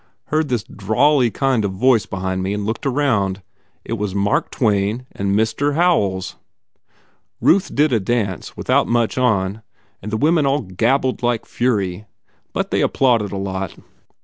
Heard this drawly kind of voice behind me and looked round. It was Mark Twain and Mr. Howells. Ruth did a dance without much on and the women all gab bled like fury. But they all applauded a lot.